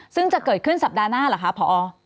ซึ่งจะเกิดขึ้นสัปดาห์หน้าเหรอคะพอ